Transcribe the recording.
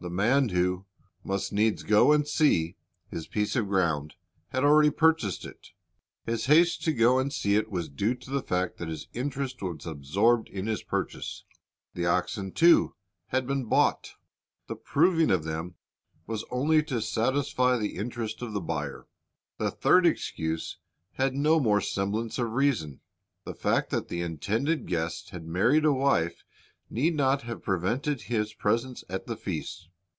The man who "must needs go and see" his piece of ground, had already purchased it. His haste to go and see it was due to the fact that his interest was absorbed in his purchase. The oxen, too, had been bought. The proving of them was only to satisfy the interest of the buyer. The third excuse had no more semblance of reason. The fact that the intended guest had married a wife need not have prevented his presence at the feast.